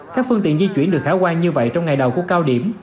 các phương tiện di chuyển được khả quan như vậy trong ngày đầu của cao điểm